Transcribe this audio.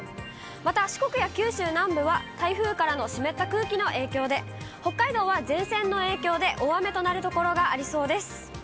また四国や九州南部は、台風からの湿った空気の影響で、北海道は前線の影響で大雨となる所がありそうです。